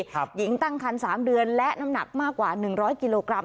หญิงตั้งคัน๓เดือนและน้ำหนักมากกว่า๑๐๐กิโลกรัม